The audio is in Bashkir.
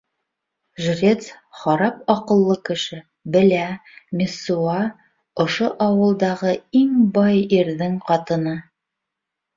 Жрец, харап аҡыллы кеше, белә: Мессуа — ошо ауылдағы иң бай ирҙең ҡатыны.